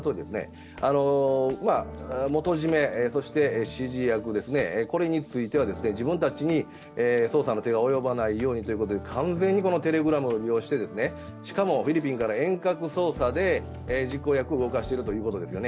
元締め、そして指示役については自分たちに捜査の手が及ばないようにということで、完全にＴｅｌｅｇｒａｍを利用してしかもフィリピンから遠隔操作で実行役を動かしてるということですよね。